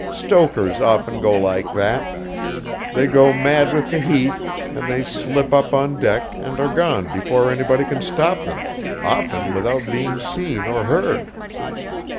Stokers often go like that. They go mad with the heat, and they slip up on deck and are gone before anybody can stop them, often without being seen or heard.